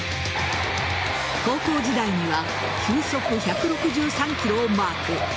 高校時代には球速１６３キロをマーク。